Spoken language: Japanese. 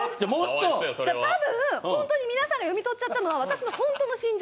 多分、皆さんが読み取ったのは、私の本当の心情。